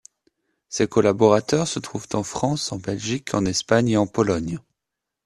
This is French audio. Ses collaborateurs se trouvent en France, en Belgique, en Espagne et en Pologne.